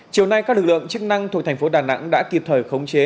chiều nay các lực lượng chức năng thuộc thành phố đà nẵng đã kịp thời khống chế